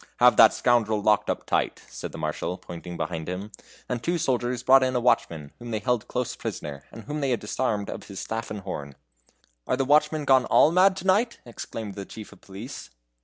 "Have that scoundrel locked up tight," said the Marshal, pointing behind him and two soldiers brought in a watchman, whom they held close prisoner, and whom they had disarmed of his staff and horn. "Are the watchmen gone all mad to night?" exclaimed the chief of police.